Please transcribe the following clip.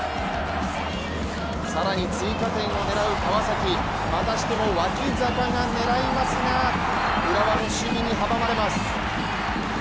更に追加点を狙う川崎、またしても脇坂が狙いますが、浦和の守備に阻まれます。